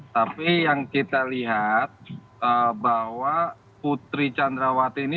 tapi yang kita lihat bahwa putri candrawati ini